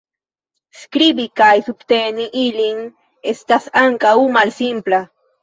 Skribi kaj subteni ilin estas ankaŭ malsimpla.